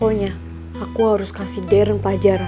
pokoknya aku harus kasih deren pajara